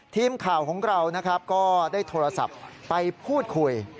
ทีมข่าวของเรานะครับก็ได้โทรศัพท์ไปพูดคุย